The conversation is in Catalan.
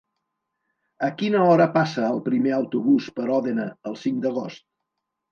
A quina hora passa el primer autobús per Òdena el cinc d'agost?